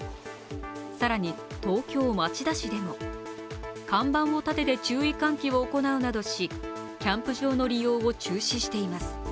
更に東京・町田市でも、看板を立てて注意喚起を行うなどし、キャンプ場の利用を中止しています。